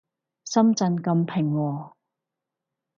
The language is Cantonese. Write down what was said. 深圳咁平和